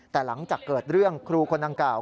แต่หลังจากเกิดเรื่องครูคนดังกล่าว